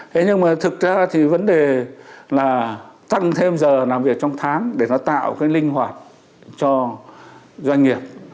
thế nhưng mà thực ra thì vấn đề là tăng thêm giờ làm việc trong tháng để nó tạo cái linh hoạt cho doanh nghiệp